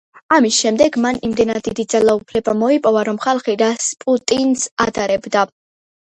ამის შემდეგ მან იმდენად დიდი ძალაუფლება მოიპოვა, რომ ხალხი რასპუტინს ადარებდა.